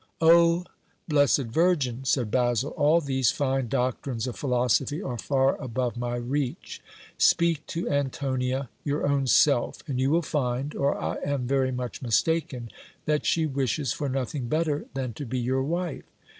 Oh, blessed vir gin ! said Basil, all these fine doctrines of philosophy are far above my reach ; speak to Antonia your own self, and you will find, or I am very much mistaken, that she wishes for nothing better than to be your wife.